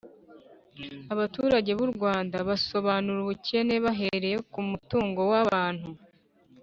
abaturage b'u rwanda basobanura ubukene bahereye ku mutungo w'abantu,